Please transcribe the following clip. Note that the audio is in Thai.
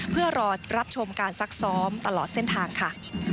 เพื่อรอรับชมการซักซ้อมตลอดเส้นทางค่ะ